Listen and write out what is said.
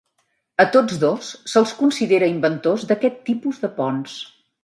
A tots dos se'ls considera inventors d'aquest tipus de ponts.